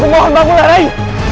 mulai bangun mulai